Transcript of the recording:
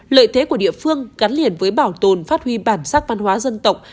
lợi thế của địa phương gắn liền với bảo tồn phát huy bản sắc văn hóa dân tộc